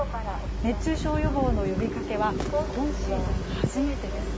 熱中症予防の呼びかけは今シーズン初めてです。